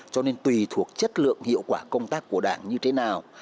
cho nên tùy thuộc chất lượng hiệu quả công tác của đảng như thế nào